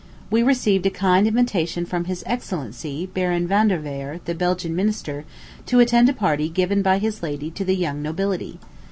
We received a kind invitation from his excellency Baron Vanderweyer, the Belgian minister, to attend a party given by his lady to the young nobility.